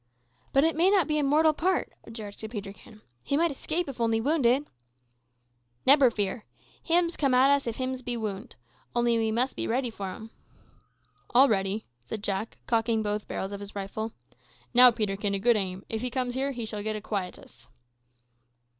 "But it may not be a mortal part," objected Peterkin. "He might escape if only wounded." "Nebber fear. Hims come at us if hims be wound. Only we mus' be ready for him." "All ready," said Jack, cocking both barrels of his rifle. "Now, Peterkin, a good aim. If he comes here he shall get a quietus."